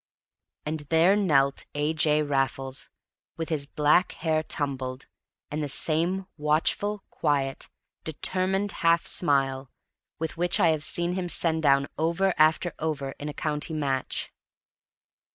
And there knelt A. J. Raffles, with his black hair tumbled, and the same watchful, quiet, determined half smile with which I have seen him send down over after over in a county match!